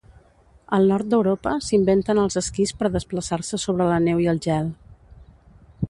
Al nord d'Europa s'inventen els esquís per desplaçar-se sobre la neu i el gel.